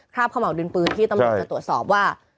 คราบข้าวเหมาดินปืนที่ต้องตรวจสอบว่า